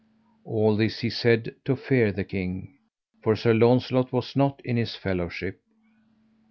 All this he said to fear the king, for Sir Launcelot was not in his fellowship.